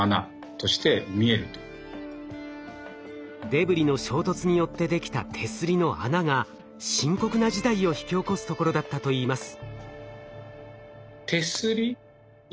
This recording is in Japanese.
デブリの衝突によってできた手すりの穴が深刻な事態を引き起こすところだったといいます。